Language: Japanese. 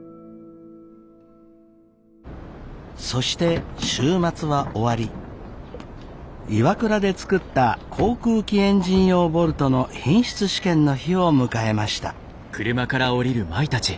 そして週末は終わりＩＷＡＫＵＲＡで作った航空機エンジン用ボルトの品質試験の日を迎えました。